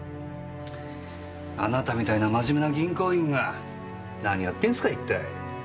あなたみたいな真面目な銀行員が何やってんすか一体。